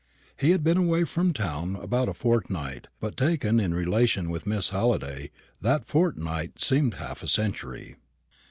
He had been away from town about a fortnight; but taken in relation with Miss Halliday, that fortnight seemed half a century.